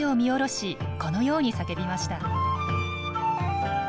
このように叫びました。